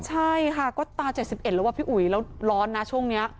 ใช่ฮะก็ตาเจ็ดสิบเอ็ดละว่าพี่อุ๋ยแล้วร้อนนะโชคเนี้ย